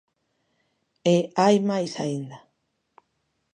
E hai máis aínda.